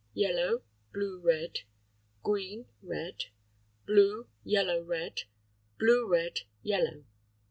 Yellow. Blue red. Green. Red. Blue. Yellow red. Blue red. Yellow.